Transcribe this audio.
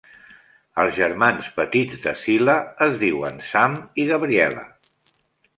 Els germans petits de Cila es diuen Sam i Gabriella.